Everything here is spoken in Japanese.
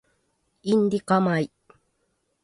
インディカ米